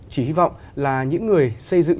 chỉ hy vọng là những người xây dựng